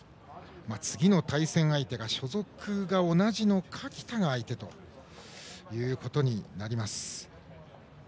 次の対戦相手が所属が同じの垣田が相手となります。